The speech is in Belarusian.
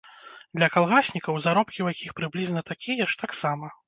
Для калгаснікаў, заробкі ў якіх прыблізна такія ж, таксама.